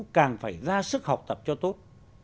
càng phải ra sức học tập cho tốt